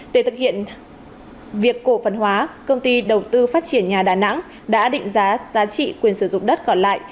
để thực hiện việc cổ phần hóa công ty đầu tư phát triển nhà đà nẵng đã định giá giá trị quyền sử dụng đất còn lại